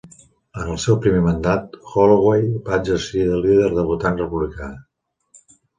En el seu primer mandat, Holloway va exercir de líder debutant republicà.